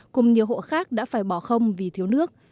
cùng nhiều hộ khác đã phải bỏ không vì thiếu nước